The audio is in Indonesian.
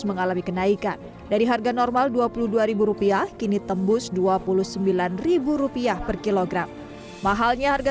mengalami kenaikan dari harga normal rp dua puluh dua kini tembus rp dua puluh sembilan per kilogram mahalnya harga